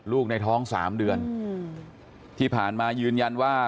ในท้อง๓เดือนที่ผ่านมายืนยันว่า